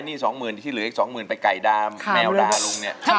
ใช้หนี้๒หมื่นที่เหลืออีก๒หมื่นไปไก่ดามแมวดาลุงเนี่ยคามต้อง